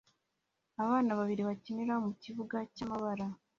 Abana babiri bakinira mukibuga cyamabara